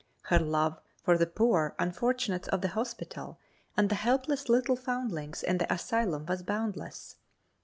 Her love for the poor unfortunates of the hospital and the helpless little foundlings in the asylum was boundless.